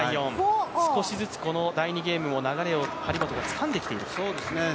少しずつ第２ゲームも流れを張本もつかんできている。